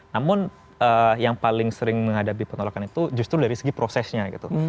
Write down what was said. namun yang paling sering menghadapi penolakan itu justru dari segi prosesnya gitu